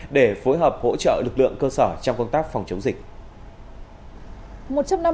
để phối hợp hỗ trợ lực lượng cơ sở trong công tác phòng chống dịch